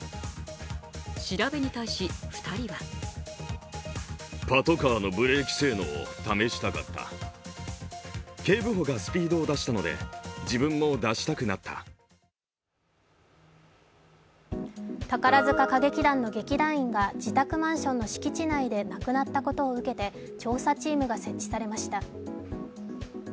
調べに対し２人は宝塚歌劇団の劇団員が自宅マンションの敷地内で亡くなったことを受けて調査チームが設置されました。